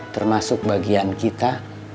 termasuk bagian kita